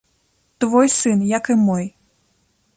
Твой сын, як і мой.